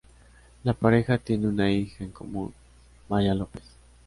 La pareja tiene una hija en común, Maya Lopez.